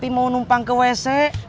mau numpang ke wc